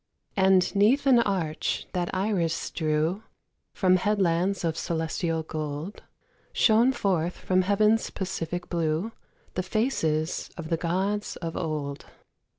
And 'neath an arch that Iris drew From headlands of celestial gold, Shone forth from heaven's pacific blue The faces of the gods of old.